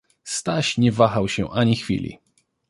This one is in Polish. Staś nie wahał się ani chwili.